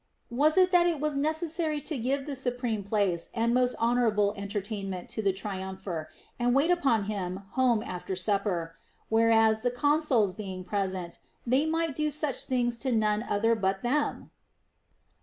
Was it that it was necessary to give the su preme place and most honorable entertainment to the tri umpher, and wait upon him home after supper ; whereas, the consuls being present, they might do such things to none other but them